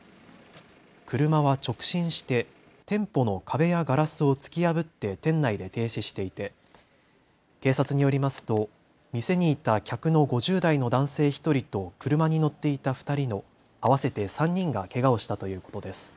車は直進して店舗の壁やガラスを突き破って店内で停止していて警察によりますと店にいた客の５０代の男性１人と車に乗っていた２人の合わせて３人がけがをしたということです。